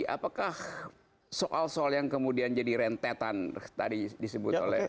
apakah soal soal yang kemudian jadi rentetan tadi disebut oleh